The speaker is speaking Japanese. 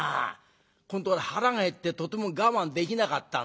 ここんところ腹が減ってとても我慢できなかったんだよ。